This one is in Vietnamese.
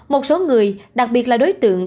một số người đặc biệt là đối tượng